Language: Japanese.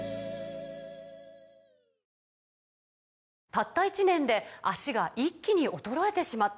「たった１年で脚が一気に衰えてしまった」